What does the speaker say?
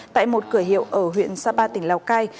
tại một cửa hiệu ở huyện sapa tỉnh lào cai